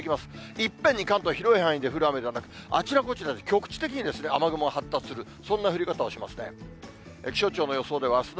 いっぺんに関東、広い範囲に降る雨ではなく、あちらこちらに局地的に雨雲が発達する、そんな降り方をしますね。